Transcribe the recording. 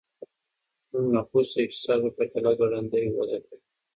زموږ نفوس د اقتصاد په پرتله ګړندی وده کوي.